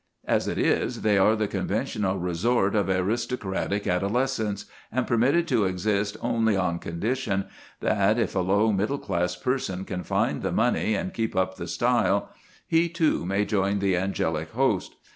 As it is, they are the conventional resort of aristocratic adolescence, and permitted to exist only on condition that, if a low middle class person can find the money and keep up the style, he, too, may join the angelic host.